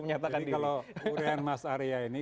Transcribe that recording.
menyatakan diri jadi kalau urian mas arya ini